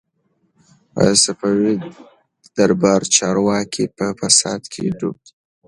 د صفوي دربار چارواکي په فساد کي ډوب ول.